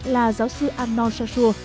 là giáo sư arnold shashua